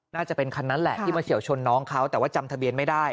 น่าจะเป็นคันนั้นแหละที่มาเฉียวชนน้องเขาแต่ว่าจำทะเบียนไม่ได้